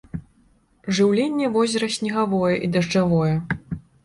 Жыўленне возера снегавое і дажджавое.